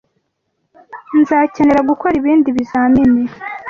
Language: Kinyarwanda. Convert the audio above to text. Nzakenera gukora ibindi bizamini.